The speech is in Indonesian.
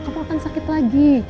kamu akan sakit lagi